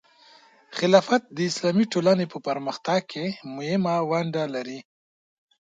خلافت د اسلامي ټولنې په پرمختګ کې مهمه ونډه لري.